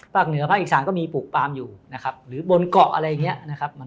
ภาคอีก๓ก็มีปลูกปาร์มอยู่นะครับ